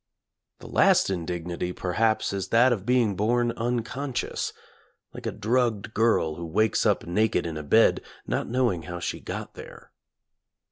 The last indignity perhaps is that of being born unconscious, like a drugged girl who wakes up naked in a bed, not knowing how she got there.